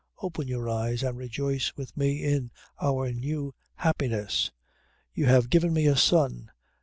Open your eyes and rejoice with me in our new happiness. You have given me a son."